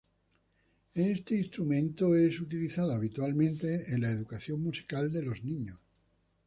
Este instrumento es utilizado habitualmente en la educación musical de los niños.